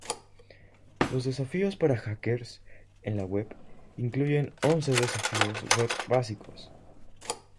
Los desafíos para hackers en la Web incluyen once desafíos Web básicos.